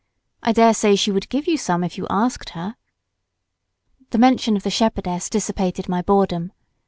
I daresay she would give you some if you asked her." The mention of the shepherdess dissipated my boredom.